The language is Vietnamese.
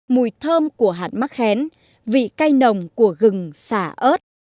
mùi thơm của hạt mắc khén vị cay nồng của gừng xả ớt